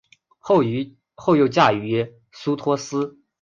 后又嫁予苏托斯。